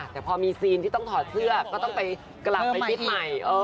แต่พอมีซีนที่ต้องถอดเสื้อก็ต้องไปกลับไปชุดใหม่